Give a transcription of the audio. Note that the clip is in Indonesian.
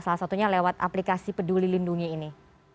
salah satunya lewat aplikasi peduli lindungi ini